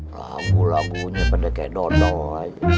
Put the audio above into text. lagu lagunya pada kayak dodol aja